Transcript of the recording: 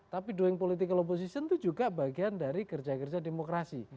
tapi doing political oposition itu juga bagian dari kerja kerja demokrasi